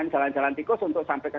jalan jalan tikus untuk sampai ke